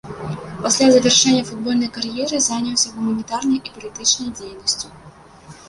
Пасля завяршэння футбольнай кар'еры заняўся гуманітарнай і палітычнай дзейнасцю.